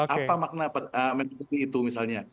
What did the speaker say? apa makna merah putih itu misalnya